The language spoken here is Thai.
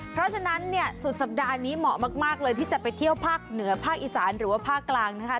เพราะฉะนั้นเนี่ยสุดสัปดาห์นี้เหมาะมากเลยที่จะไปเที่ยวภาคเหนือภาคอีสานหรือว่าภาคกลางนะคะ